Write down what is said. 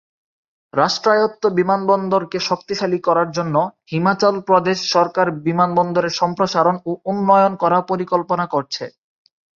রাষ্ট্রায়ত্ত বিমানবন্দরকে শক্তিশালী করার জন্য, হিমাচল প্রদেশ সরকার বিমানবন্দরের সম্প্রসারণ ও উন্নয়ন করার পরিকল্পনা করছে।